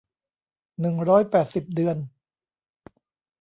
หนึ่งร้อยแปดสิบ เดือน